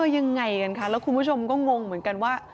ยังไงกันคะแล้วคุณผู้ชมก็งงเหมือนกันว่า